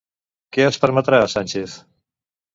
Què es permetrà a Sànchez?